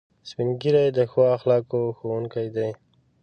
سپین ږیری د ښو اخلاقو ښوونکي دي